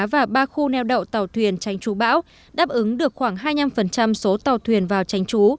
và ba khu neo đậu tàu thuyền tranh trú bão đáp ứng được khoảng hai mươi năm số tàu thuyền vào tranh trú